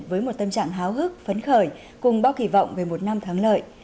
với một tâm trạng háo hức phấn khởi cùng bao kỳ vọng về một năm thắng lợi